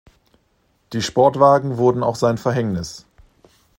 Die Sportwagen wurden auch sein Verhängnis.